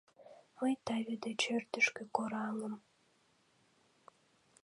Мый таве деч ӧрдыжкӧ кораҥым.